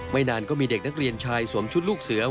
นานก็มีเด็กนักเรียนชายสวมชุดลูกเสือ